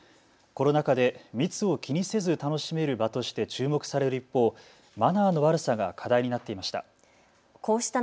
コロナ禍で密を気にせず楽しめる場として注目される一方、マナーの悪さが課題になっていました。